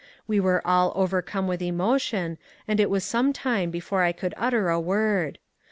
We were all over come with emotion and it was some time before I could utter a word.